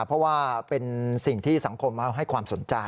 เพราะว่าเป็นสิ่งที่สังคมให้ความสนใจ